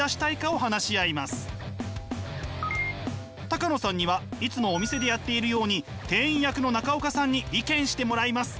高野さんにはいつもお店でやっているように店員役の中岡さんに意見してもらいます。